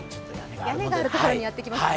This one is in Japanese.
屋根があるところにやってきました。